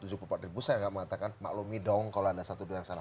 saya tidak mengatakan maklumi dong kalau ada satu dengan salah